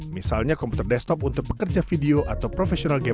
misalnya komputer desktop untuk pekerja video atau profesional gamer